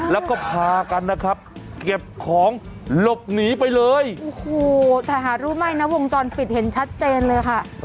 แล้วก็พากันนะครับเก็บของหลบหนีไปเลยโอ้โหแต่หารู้ไหมนะวงจรปิดเห็นชัดเจนเลยค่ะ